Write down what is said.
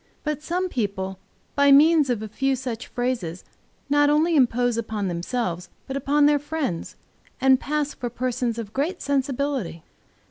But some people, by means of a few such phrases, not only impose upon themselves but upon their friends, and pass for persons of great sensibility.